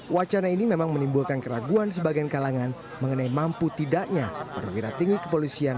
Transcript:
wacana ini memang menimbulkan keraguan sebagian kalangan mengenai mampu tidaknya perwira tinggi kepolisian